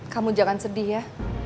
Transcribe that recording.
kamu jangan sedih ya